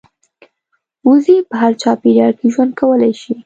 وزې په هر چاپېریال کې ژوند کولی شي